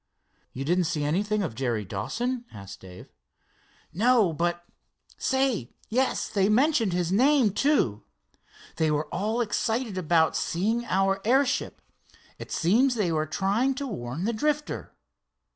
"You didn't see anything of Jerry Dawson?" asked Dave. "No, but say, yes, they mentioned his name, too. They were all excited about seeing our airship. It seems they were trying to warn the Drifter."